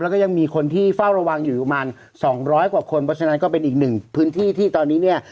แล้วก็ยังมีคนที่เฝ้าระวังอยู่ประมาณสองร้อยกว่าคนเพราะฉะนั้นก็เป็นอีกหนึ่งพื้นที่ที่ตอนนี้เนี่ย